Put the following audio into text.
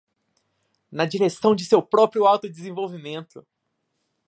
na direção de seu próprio autodesenvolvimento